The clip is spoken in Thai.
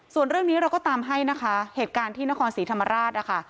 ส่วนเรื่องนี้เราก็ตามให้นะคะเหตุการณ์ที่นครศรีธรรมราชนะคะ